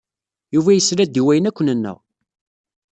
Yuba yesla-d i wayen akk nenna.